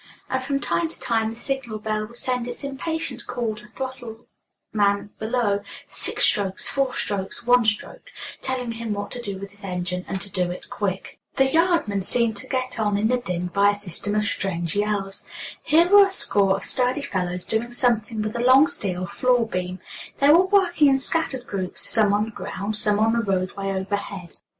And from time to time the signal bell would send its impatient call to the throttle man below, six strokes, four strokes, one stroke, telling him what to do with his engine, and to do it quick. The yardmen seemed to get on in the din by a system of strange yells. Here were a score of sturdy fellows doing something with a long steel floor beam. They were working in scattered groups, some on the ground, some on the roadway overhead.